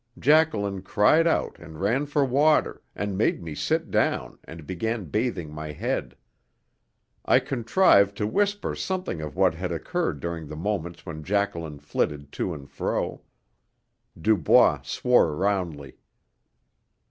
Jacqueline cried out and ran for water, and made me sit down, and began bathing my head. I contrived to whisper something of what had occurred during the moments when Jacqueline flitted to and fro. Dubois swore roundly.